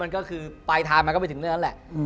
มันก็คือปลายทางมันก็ไปถึงเรื่องนั้นแหละ